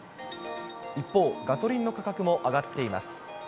一方、ガソリンの価格も上がっています。